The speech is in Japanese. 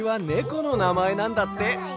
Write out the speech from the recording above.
このなまえなんだって。